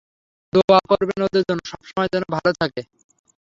দোয়া করবেন ওদের জন্য, সবসময় যেন ভালো থাকে।